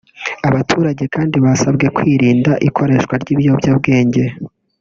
Abaturage kandi basabwe kwirinda ikoreshwa ry’ibiyobyabwenge